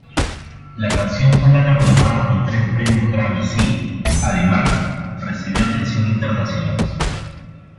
La canción fue galardonada con tres Premios Grammy Latinos y, además, recibió atención internacional.